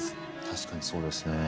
確かにそうですね。